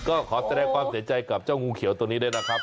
ขอจะได้ความเสียใจกับเจ้างูเขียวตรงนี้ได้นะครับ